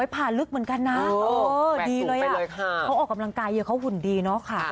ผ่าลึกเหมือนกันนะและทับมาลงกายเยอะเขาหุ่นดีเนาะค่ะ